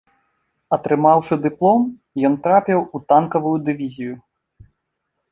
Атрымаўшы дыплом, ён трапіў у танкавую дывізію.